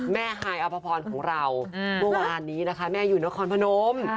แม่ไฮอพพรของเราบวกก็มาอันนี้นะคะแม่อยู่นครพนม